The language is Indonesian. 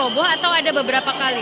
roboh atau ada beberapa kali